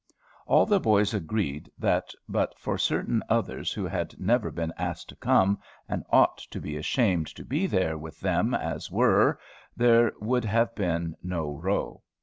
All the boys agreed, that but for certain others who had never been asked to come, and ought to be ashamed to be there with them as were, there would have been no row.